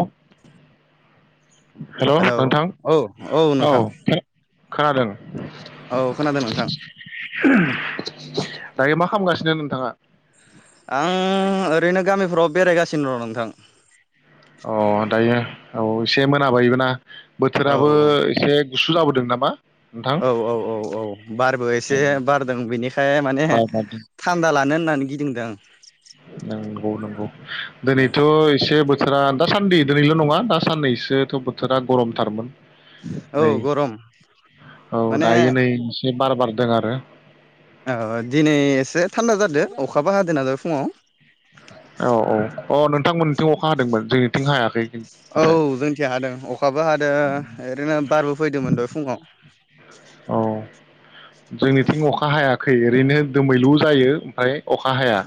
औ हेल हेलौ नोंथां औ औ नोंथां औ खोनादों औ खोनादों नोंथां दायो मा खालामगासिनो नोंथाङा आं ओरैनो गामिफ्राव बेरायगासिनो दं नोंथां अ दायो औ एसे मोनाबायबो ना औ बोथोराबो एसे गुसु लाबोदों नामा नोंथां औ औ औ औ बारबो एसे बारदों बेनिखाय माने बार बारदों थान्दा लानो होननानै गिदिंदों नोंगौ नोंगौ आं। दोनैथ एसे बोथोरा दासान्दि दोनैल नङा दा साननैसोथ बोथोरा गरमथारमोन औ नै गरम औ माने दायो नै एसे बार बारदों आरो औ दिनै एसे थान्दा जादो अखाबो हादो ना दहाय फुङाव औ औ अ नोंथांमोननिथिं अखा हादोंमोन जोंनिथिं हायाखै औ नाथाय जोंनिथि हादों अखाबो हादों ओरैनो बारबो फैदोंमोन दहाय फुङाव औ जोंनिथिं अखा हायाखै ओरैनो दोमैलु जायो ओमफ्राय अखा हाया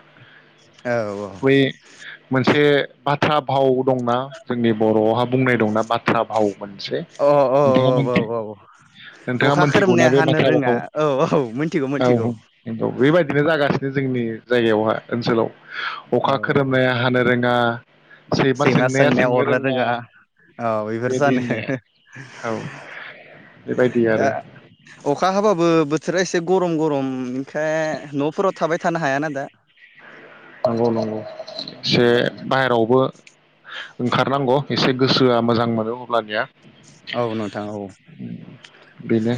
औ बै मोनसे बाथ्रा भाव दंना जोंनि बर'आवहा बुंनाय दंना बाथ्रा भाव मोनसे औ नोंथाङा औ औ मोनथि औ औ नोंथाङा अखा मोनथिगौना खोरोमनाया बे हानो बाथ्रा रोङा भावखौ औ औ मिथिगौ मिथिगौ औ नंगौ बेबायदिनो जागासिनो जोंनि जायगायावहा ओनसोलाव औ अखा खोरोमनाया हानो रोङा सैमा सोंनाया सोंनो रोङा औ बेफोर बेबायदि जानो होननाया औ बेबायदि दा आरो अखा हाबाबो ओ बोथोरा एसे गरम गरम [unintelligible] न'फोराव थाबाय थानो हायाना दा नंगौ नंगौ से बाहेरावबो ओंखारनांगौ एसे गोसोआ मोजां मोनो अब्लानिया औ नोंथां औ बेनो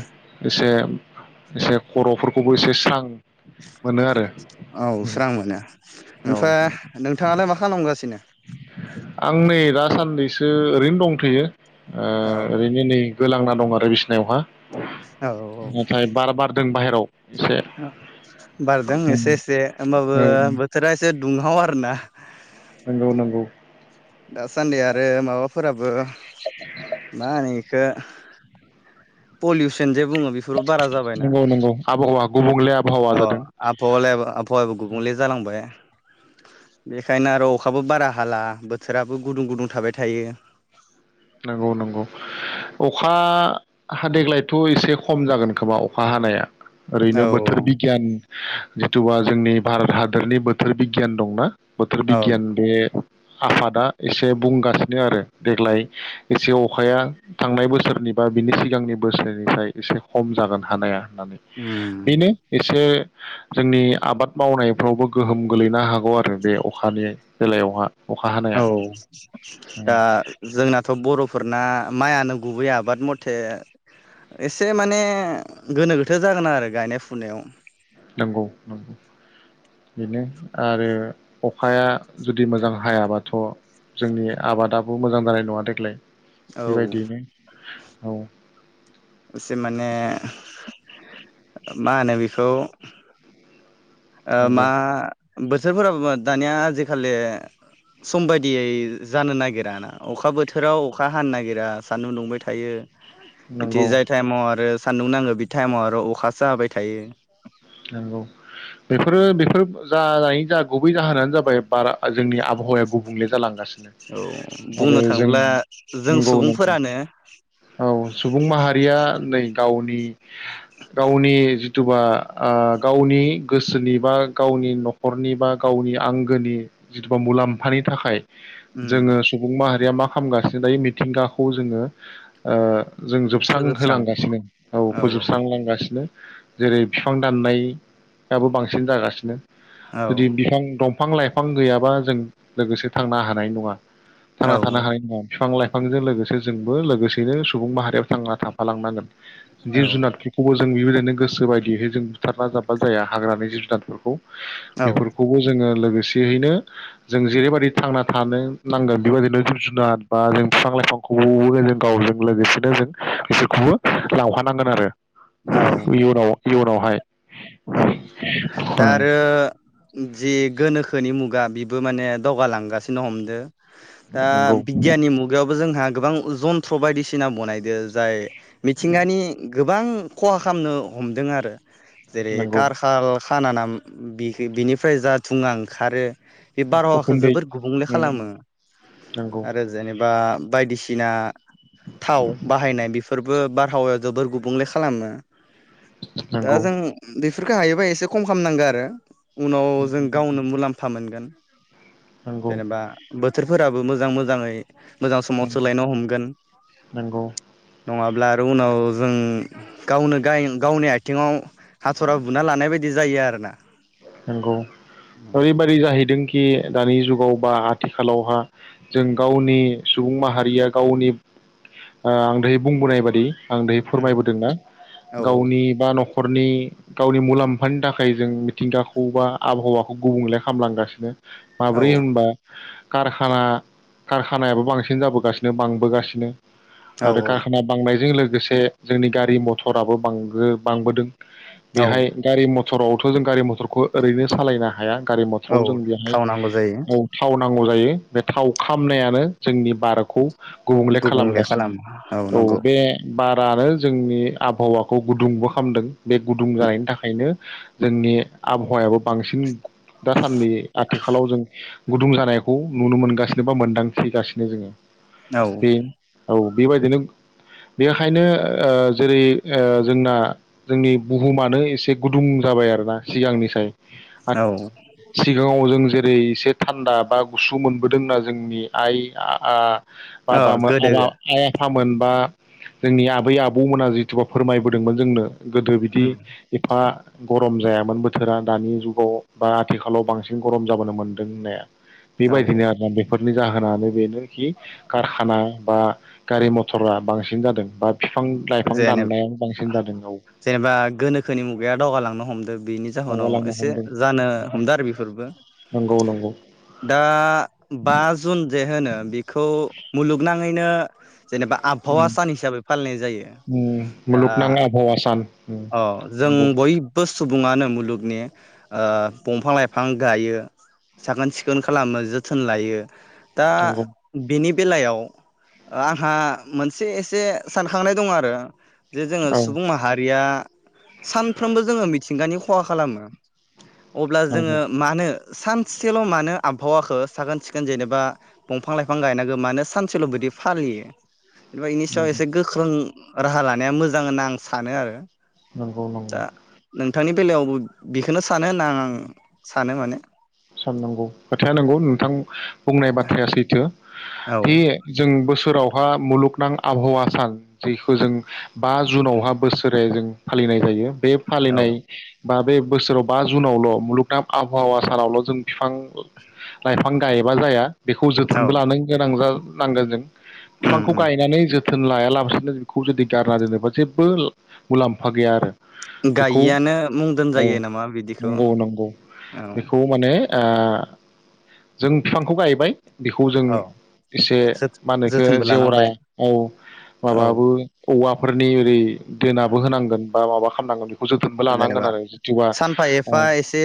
एसे एसे खर'फोरखौबो एसे स्रां मोनो आरो औ स्रां मोनो ओम ओमफ्राय नोंथाङालाय मा खालामगासिनो आं नै दासाननैसो ओरैनो दंथयो ओ औ ओरैनो नै गोलांना दं आरो बिसनायावहा औ औ नाथाय बार बारदों [unintelligible] एसे बारदों उम एसे एसे होमबाबो औ बोथोरा एसे एसे दुंहाव आरोना नोंगौ नंगौ दासान्दि आरो माबाफोराबो मा होनो इखो पल्युसन बुङो बेफोरबो बारा जाबायना नंगौ नंगौ आबहावा गुबुंले आबहावा अ जादों आबहायालाय आबहावायाबो गुबुंले जालांबाय बेखायनो आरो अखाबो बारा हाला बो बोथोराबो गुदुं गुदुं थाबाय थायो नंगौ नंगौ अखा हा देग्लायथ' एसे खम जागोन खोमा अखा हानाया ओरैनो बोथोर बिगियान जिथुुबा जोंनि भारत हादरनि बोथोर बिगियान दंना बोथोर औ औ बिगान बे आफादा एसे बुंगासिनो आरो देग्लाय एसे अखाया थांनाय बोसोरनि बा बिनि सिगांनि बोसोरनिफ्राय एसे खम जागोन हानाया होननानै बेनो उम एसे जोंनि आबाद मावनायफ्रावबो गोहोम गोलैनो हागौ आरो बे अखानि बेलायावहा अखा हानाया औ दा जोंना थ' बर'फोरना माइयानो गुबै आबाद मथे एसे माने गोनो गोथो जागोन आरो गायनाय फुनायाव नंगौ बेनो आरो अखाया जुदि मोजां हायाबाथ' जोंनि आबादाबो मोजां जानाय नङा देग्लाय औ बेबायदियैनो औ एसे माने मा होनो बेखौ ओ नंगौ मा बोथोरफोराबो दानिया आजिखालि सम बायदियै जानो नागिरा ना अखा बोथोराव अखा हानो नागिरा सान्दुं दुंबाय थायो इदि नंगौ जाय टाइमाव आरो सान्दुं नांगो बे टाइमाव आरो अखासो हाबाय थायो नोंगौ बेफोरो बेफोर [unintelligible] जा गुबै जाहोनानो जाबाय बारा जोंनि आबहावाया गुबुंले जालांगासिनो औ आरो बुंनो जों थाङोब्ला जों नंगौ नंगौ सुबुंफोरानो औ सुबुं माहारिया नै गावनि गावनि जिथुुबा ओ गावनि गोसोनि बा गावनि नखरनि बा गावनि आंगोनि जिथुबा मुलाम्फानि थाखाय उम जोङो सुबुं माहारिया मा हामगासिनो दायो मिथिंगाखौ जोङो ओ जों जोबस्रां फोजोबस्रांदों होलांगासिनो औ फोजोबस्रांलांगासिनो जेरै फिफां दाननायाबो बांसिन जागासिनो औ जुदि बिफां दं फिफां लाइफां गैयाबा जों लोगोसे थांना हानाय नङा औ थांना थानो हानाय नङा बिफां लाइफ बिफांजों लोगोसे जोंबो लोगोसेनो सुबुं माहारियाव थांना थाफालांनांगोन औ जिब जुनारनिखौबो जों जों बेबायदिनो गोसो बायदि बिदि जों बुथारना जाबा जाया हाग्रानि जिब जुनारफोरखौ औ बेफोरखौबो जोङो लोगो फिसिहैनो जों जेरैबायदि थांना थानो नांगोन बेबायदिनो जिब जुनार बा जों बिफां लाइफांखौ जों गावजों लोगोसेनो जों गासैखौबो लांफानांगोन आरो औ इयुनाव इयुनावहाय औ दा आरो उम जि गोनोखोनि मुगा बेबो माने दगालांगासिनो हमदो दा नंगौ बिगियाननि मुगायावबो जोंहा गोबां जन्थ्र बायदिसिना बनायदो जाय मिथिंगानि गोबां खहा खालामनो हमदों आरो जेरै नंगौ खार खाल खाना ना बिनिफ्राय जा थुङा ओंखारो बे बारहावाखौ उखुन्दै जोबोद गुबुंले खालामो नंगौ आरो जेनेबा बायदिसिना थाव बाहायनाय बेफोरबो बा हावाया जोबोर गुबुंले खालामो नोंगौ बेफोरखो हायोबा एसे खम खालामनांगो आरो उनाव जों गावनो मुलाम्फा मोनगोन नंगौ जेनेबा बोथोर फोराबो मोजां मोजाङै मोजां समाव सोलायनो हमगोन नंगौ नङा आरो उनाव जों गावनो गाय गावनि थिङाव हाथरा बुना लानाय बायदि जायो आरो ना नोंगौ ओरैबायदि जाहैदोंखि दानि जुगाव बा आथिखालावहा जों गावनि सुबुं माहारिया गावनि ओ आं दहाय बुंबोनाय बायदि आं दि फोरमायबोदों ना औ गावनि बा नखर [unintelligible] गावनि मुलाम्फानि थाखाय जों मिथिंगा खौबा आबहावाखौ गुबुंले खालामलांगासिनो औ माब्रै होनबा कारखाना कारखानायाबो बांसिन जाबोगासिनो बांबोगासिनो औ आरो कारखाना बांनायजों लोगो लोगोसे जोंनि गारि मथराबो बांगो-बांबोदों औ बेहाय गारि मथ सरगावथ जों गारि मथरखौ ओरैनो सालायनो हाया गारि मथराव जों औ बेहाय थाव नांगौ जायो औ थाव नां नांगौ जायो बे थाव खामनायानो जोंनि बारखौ गुबुंले खालामगासिनो औ बे बारारो जोंनि आबहावाखौ गुदुंबो खामदों बे गुदुं जानायनि थाखायनो जोंनि आब हवायाबो बांसिन दासान्दि आथिखालाव जों गुदुं जानायखौ नुनो मोनगासिनो बा मोनदांथिगासिनो जोङो औ बे औ बेबायदिनो बेखायनो ओ जेरै ओ जोंना जोंनि बुहुमानो एसे गुदुं जाबाय आरोना सिगांनि साय [inaudible] औ सिगाङाव जों जे ओरै एसे थान्दा बा गुसु मोनबोदोंना जोंनि आइ आ आ औ बाबामो आबा गोदो आइ आफा आफामोन बा जोंनि आबै आबौमोना जिथुुबा फोरमायबोदोंमोन जोंनो गोदो बिदि एफा गरम जायामोन बोथ- बोथोरा दानि जुगाव बा आथिखालाव बांसिन गरम जाबोनो मोनदों होननाया औ बेबायदिनो आरोना बेफोर नि जाहोनानो बेनोखि कारखाना बा गारि मथरा बांसिन जादों बा बिफां लाइफां दाननाया बांसिन जादों औ जेनेब-जेनेबा गोनोखोनि मुगाया दावगालांनो हमदो बिनि जाहोनाव दावगालांनो एसे हमदों जानो हमदों आरो बेफोरबो नंगौ नंगौ दा बा जुन जे होनो बेखौ मुलुगनां मोजाङैनो जेनेबा आबहावा सान हिसाबै फालिनाय जायो उम दा मुलुखनां आबहावा सान अ जों [unintelligible] बयबो सुबुङानो मुलुगनि ओ बंफां लाइफां गायो साखोन सिखोन खालामो जोथोन लायो दा नंगौ बिनि बेलायाव आंहा मोनसे एसे सानखांनाय दं आरो जे जोङो औ सुबुं माहारिया सानफ्रोमबो जोङो मिथिंगानि खहा खालामो अब्ला जोङो नंगौ मानो सानसेल मानो आबहावाखो साखोन सिखोन जेनेबा बंफां लाइफां गायनांगो मानो सानसेल बिदि फालियो नंगौ [unintelligible] ख्रों राहा लानाया मोजां होनना आं सानो आरो नंगौ दा नंगौ नोंथांनि बेलायावबो बेखोनो स सानो होनना आं आं सानो माने साननांगौ खोथाया नोंगौ नोंथां बुंनाय बाथ्राया सैथो औ बे जों बोसोर फोरावहा मुलुगनां आबहावा सान जेखौ जों बा जुनावहा बोसोरे जों फालिनाय जायो बे औ फालिनाय बा बे बोसोराव बा जुनावल मुलुगनां आबहावा सानावल जों फिफां लाइफां गायोबा जाया बेखौ औ जोथोनबो लानो गोनां जा नांगोन जों उम बिफांखौ उम गायनानै जोथ थोन लायालाबासिनो बेखौ जुदि गारना दोनोबा जेबो ला-मुलाम्फा गैया आरो बेखौ गायिआनो मुंदों औ जायो नामा बिदि नंगौ नंगौ बेखौ माने ओ जों फिफांखौ गायबाय बेखौ जों औ एसे मा होनो एखो जोथोनबो जेवरा लानांबाय औ औ माबाबो औवाफोरनि ओरै दोनाबो होनांगोन बा माबा खामनांगोन जोथोनबो लानांगोन आरो जिथिबा बा एसे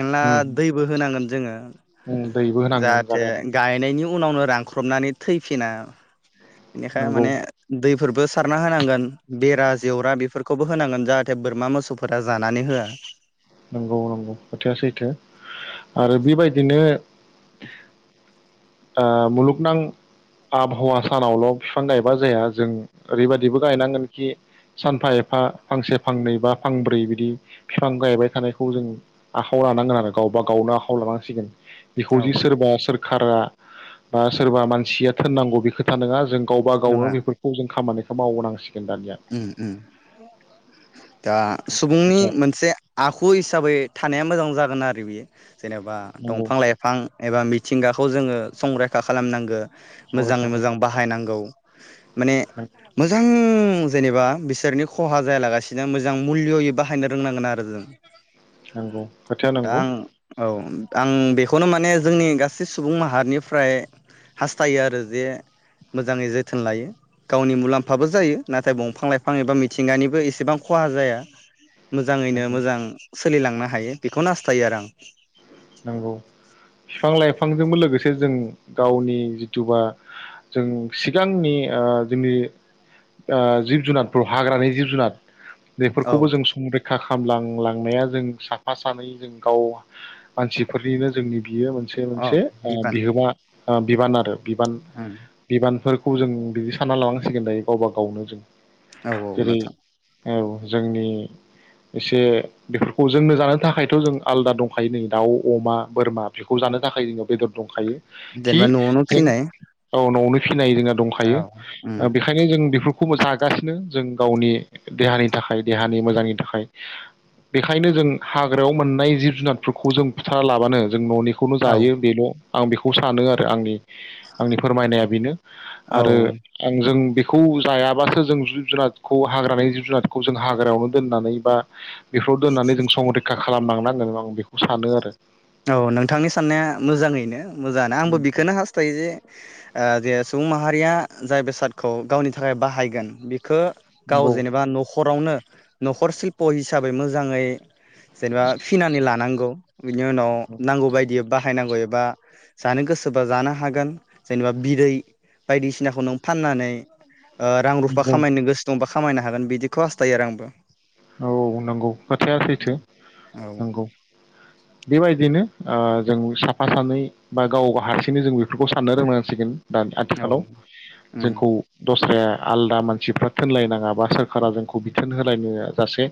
एना दैबो होनांगोन जोङो उम दैबो होनांगोन जाहाथे जागायनांगोन गायनायनि उनावनो रानख्रबनानै थैफिना इनिखाय नंगौ माने दैफोरबो सारना होनांगोन बेरा जेवरा बेफोर खौबो होनांगोन जाहाथे बोरमा मोसौफोरा जानानै होआ नंगौ नंगौ खोथाया सैथो आरो बेबायदिनो ओह मुलुगनां आबहावा सानावल फिफां गायबा जाया जों ओरैबायदिबो गायनांगोनखि सानफा एफा फांसे फांनै बा फांब्रै बिदि फिफां गायबाय थानायखौ जों आखायाव लानांगोन आरो गावबा गावनो आखायाव लानांसिगोन बेखौ जि औ सोरबा सोर खारा ओ सोरबा मानसिया थोननांगौ बे खोथा नोङा जों गावबा गावो नङा बेफोरखौ जों खामानि मावनांसि उम उम दा सुबुंनि खोथाया मोनसे आखु हिसाबै थानाया मोजां जागोन आरो बेयो जेनेबा नंगौ दंफां लाइफां एबा मिथिंगा खौ जोङो संरैखा खालामनांगो मोजाङै संरैखा मोजां बाहायनांगौ [inaudible] माने खालाम मोजां जेनेबा बिसोरनि खहा जायालागासिनो मोजां मुल्ययै बाहायनो रोंनांगोन आरो जों नांगौ खोथाया दा नंगौ आं औ आं बेखौ खौनो माने जोंनि गासै सुबुं माहारिनिफ्राय हास्थायो आरो जे मोजाङै जोथोन लायो गावनि मुलाम्फाबो जायो ना थाय बंफां लाइफां एबा मिथिंगानिबो एसेबां खहा जाया मोजाङैनो मोजां सोलिलांनो हायो बेखौ हास्थायो आरो आं नंगौ फिफां लाइफांजोंबो लोगोसे जों गावनि जिथुबा जों सिगांनि ओ जोंनि ओ जिब जुनारफोर हाग्रानि जिब जुनाद आं औ बेफोरखौबो जों संरै खा खामलांलांनाया जों साफा सानै जों गाव मानसिफोरनिनो जोंनि बियो मोनसे अ मोनसे बिबान बिहोमा ओ बिबान आरो बिबान उम बिबानफोर खौ जों बिदि सानना लानांसिगोन दायो गावबा गावनो जों औ औ जेरै नोंथां औ जोंनि एसे बेफोरखौ जोंनो जानो थाखायथ जों आलदा दं फाय नो दाउ अमा बोरमा बेखौ जानो थाखाय जोनियाव बेदर दंखायो खि जेनेबा न'आवनो जों फिनाय गावनावनो फिनाय रोङा औ दंखायो उम ओ बेखायनो जों बेफोरखौ खौबो जागासिनो जों गावनि देहानि थाखाय देहानि मोजांनि थाखाय बेखायनो जों हाग्रायाव मोननाय जिब जुनार फोरखौ जों बुथारा लाबानो जों ननि खौनो औ जायो बेल आं बेखौ सानो आरो आंनि आंनि फोरमायनाया बेनो औ आरो आंजों बे खौ जायाबासो जों जिब जुनारखौ हाग्रानि जिब जुनारखौ जों हाग्रायावनो दोननानै बा बेफोराव दोननानै जों संरैखा खालामलांनानै आं बेखौ बेखौ सानो आरो औ नोंथांनि साननाया मोजाङैनो मोजाङानो आंबो बेखौनो हास्थायो जे जे सुबुं माहारिया जाय बेसादखौ गावनि थाखाय बाहायगोन बे खो गाव नंगौ जेनेबा नखरावनो नखर सिल्प हिसाबै मोजाङै जेनेबा फिनानै लानांगौ बिनो अ नांगौ बायदि बाहायनांगौ एब बा जानो गोसोबा जानो हागोन जेनेबा बिदै बायदिसिनाखौ नों फाननानै ओ रां रुफा नंगौ खामायनो गोसो दंबा खा खामायनो हागोन बिदिखौ हास्थायो आरो आंबो औ नोंगौ खोथाया सैथो औ नोंगौ बेबायदिनो ओ जों साफा सानै बा गाव हारसिङै जों बेफोरखौ साननो रोंनांसिगोन दा औ आथिखालाव उम जोंखौ दस ए आलादा मानसिफ्रा थोनलायनाङा बा सोरखारा जोंखौ बिथोन होलायनो सासे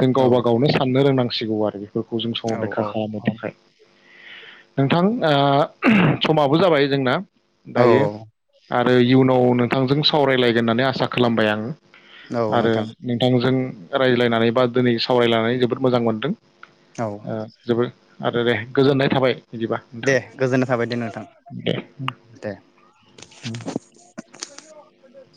जों औ गावबा गावनो साननो रोंनांग सिगौ आरो फोरखौ जों औ संरैखा औ खालामनो थाखाय नोंथां ओ समाबो जाबाय जोंना औ दायो आ इयुनाव नोंथांजों सावरायलायगोन होननानै आसा खालामबाय आं औ आरो नोंथां नोंथांजों रायज्लायनानै बा दोनै सावरायलायनानै जोबोद मोजां मोनदों औ ओ जोबो आरो दे गोजोननाय थाबाय बिदिबा दे नोंथां गोजोननाय थाबाय दे नोंथां दे दे [unintelligible]